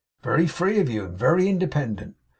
'Very free of you. And very independent!